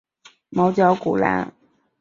毛绞股蓝为葫芦科绞股蓝属下的一个种。